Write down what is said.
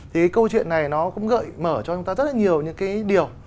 thì câu chuyện này nó cũng gợi mở cho chúng ta rất là nhiều những cái điều